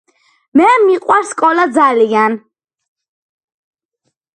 მე მიყვარს სკოლა ძალიან